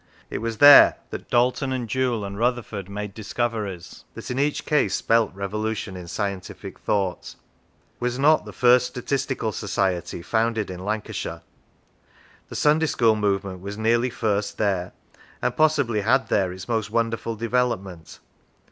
It was there that Dalton and Joule and Rutherford made discoveries that in each case spelt revolution in scientific thought. Was not the first Statistical Society founded in Lan cashire ? The Sunday school movement was nearly first there, and possibly had there its most wonderful development.